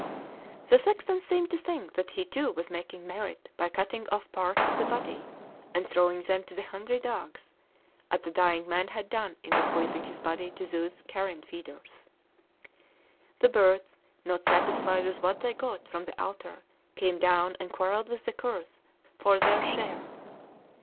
The sexton seemed to think that he too was 'making merit' by cutting off parts of the body and throwing them to the hungry dogs, as the dying man had done in bequeathing his body to those carrion feeders. The birds, not satisfied with what they got from the altar, came down and quarrelled with the curs for their share.